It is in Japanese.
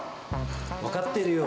分かってるよ！